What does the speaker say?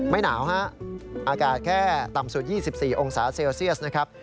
หนาวฮะอากาศแค่ต่ำสุด๒๔องศาเซลเซียสนะครับ